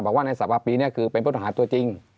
บอกว่าในศัพท์วาปีเนี่ยคือเป็นพุทธอาหารตัวจริง